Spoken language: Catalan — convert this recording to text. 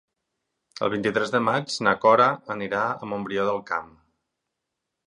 El vint-i-tres de maig na Cora anirà a Montbrió del Camp.